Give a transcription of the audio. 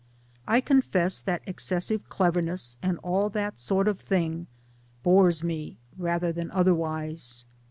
I confess that excessive cleverness and all that sort of thing; bores me rather than otherwise.